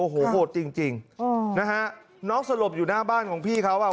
โอ้โหโหดจริงนะฮะน้องสลบอยู่หน้าบ้านของพี่เขาอ่ะ